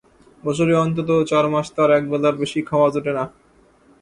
বছরে অন্তত চার মাস তার এক বেলার বেশি খাওয়া জোটে না।